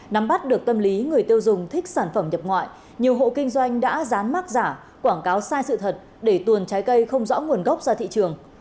nắm bắt được tâm lý người tiêu dùng thích sản phẩm nhập ngoại nhiều hộ kinh doanh đã rán mát giả quảng cáo sai sự thật để tuồn trái cây không rõ nguồn gốc ra thị trường